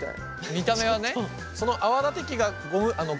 見た目はね。